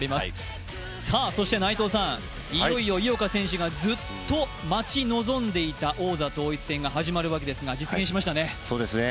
内藤さん、いよいよ井岡選手がずっと待ち望んでいた王座統一戦が始まるわけですが実現しましたね。